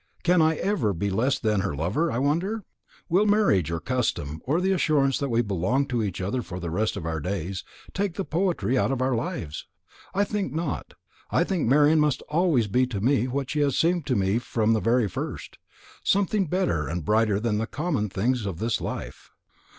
Can I ever be less than her lover, I wonder? Will marriage, or custom, or the assurance that we belong to each other for the rest of our days, take the poetry out of our lives? I think not; I think Marian must always be to me what she has seemed to me from the very first something better and brighter than the common things of this life."